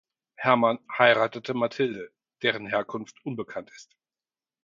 Hermann heiratete Mathilde, deren Herkunft unbekannt ist.